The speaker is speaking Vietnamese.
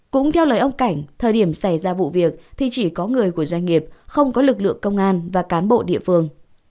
cũng theo lời ông cảnh thời điểm xảy ra vụ việc thì chỉ có người của doanh nghiệp không có lực lượng công an và cán bộ địa phương